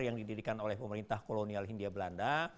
yang didirikan oleh pemerintah kolonial hindia belanda